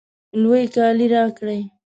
لوی کالی راکړئ